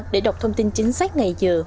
để đọc thông tin chính xác ngày giờ